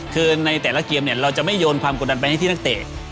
คือในแต่ละเกมเนี่ยเราจะไม่โยนความกดดันไปให้ที่นักเตะ